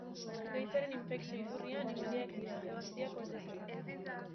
Gaitzaren infekzio iturria animaliak dira, hegaztiak batez ere.